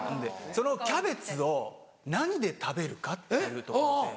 そのキャベツを何で食べるかっていうところで。